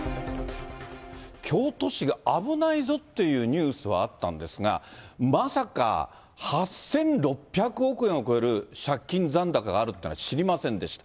京都市が危ないぞっていうニュースはあったんですが、まさか８６００億円を超える借金残高があるというのは知りませんでした。